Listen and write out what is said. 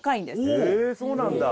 へえそうなんだ。